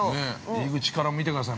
◆入り口から見てください。